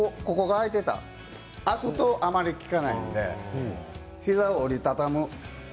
開くとあまり効かないので膝を折り畳む。